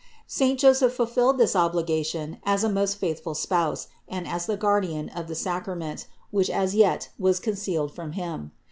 376. Saint Joseph fulfilled triis obligation as a most faithful spouse and as the guardian of the sacrament, which as yet was concealed from him.